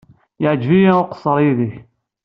Yeɛjeb-iyi uqeṣṣer yid-k.